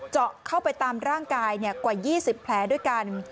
เจาะเข้าไปตามร่างกายกว่า๒๐แผลด้วยกัน